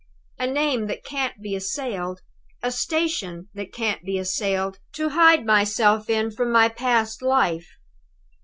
A name that can't be assailed, a station that can't be assailed, to hide myself in from my past life!